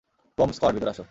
Bomb squad, ভিতরে আসো।